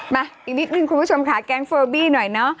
มาอีกนิดนึงคุณผู้ชมค่ะแก๊งเฟอร์บี้หน่อยเนอะ